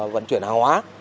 vận chuyển hàng hóa